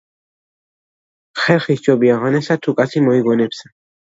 "ხერხი სჯობია ღონესა, თუ კაცი მოიგონებსა"